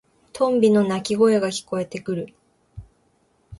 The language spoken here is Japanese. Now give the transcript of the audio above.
トンビの鳴き声が聞こえてくる。